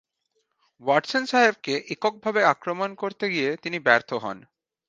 Watson সাহেবকে এককভাবে আক্রমণ করতে গিয়ে তিনি ব্যর্থ হন।